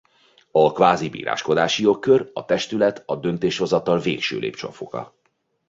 A kvázi-bíráskodási jogkör a testület a döntéshozatal végső lépcsőfoka.